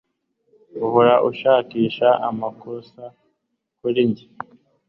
Uhora ushakisha amakosa kuri njye